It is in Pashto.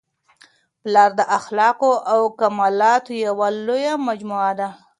پلار د اخلاقو او کمالاتو یوه لویه مجموعه ده.